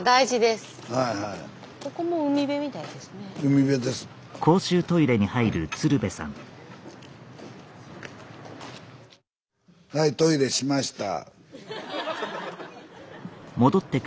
スタジオはいトイレしました。